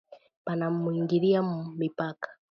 Banamwingilia mu mipaka